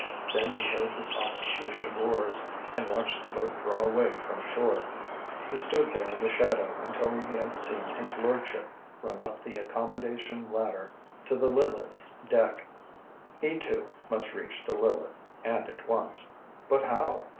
Then he heard the soft swish of oars, and watched the boat draw away from shore. He stood there in the shadow until he had seen his lordship run up the accommodation ladder to the Lileth's deck. He, too, must reach the Lileth, and at once. But how?